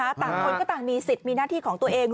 ต่างคนก็ต่างมีสิทธิ์มีหน้าที่ของตัวเอง